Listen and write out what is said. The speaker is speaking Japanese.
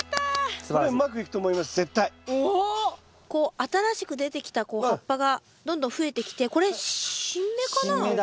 新しく出てきた葉っぱがどんどんふえてきてこれ新芽かな？